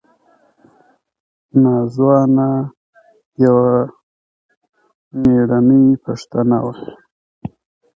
نازو انا یوه مېړنۍ پښتنه وه.